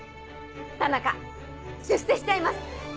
田中出世しちゃいます！